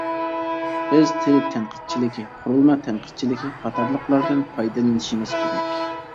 بىز تىل تەنقىدچىلىكى، قۇرۇلما تەنقىدچىلىكى قاتارلىقلاردىن پايدىلىنىشىمىز كېرەك.